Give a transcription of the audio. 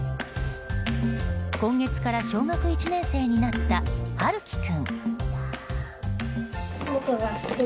今月から小学１年生になったはるき君。